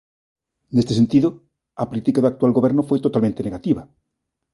Neste sentido, a política do actual goberno foi totalmente negativa.